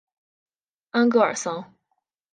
安戈尔桑。